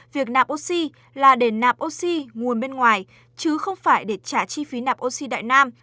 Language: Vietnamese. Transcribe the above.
việc nạp oxy là để nạp oxy nguồn bên ngoài chứ không phải để trả chi phí nạp oxy đại nam